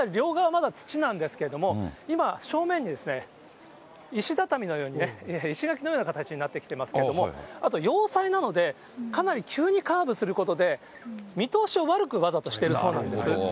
まだ土なんですけれども、今、正面に、石畳のようにね、石垣のような形になってきてますけれども、あと要塞なので、かなり急にカーブすることで、見通しを悪くわざとしているそうなんです。